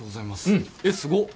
えっすごっ。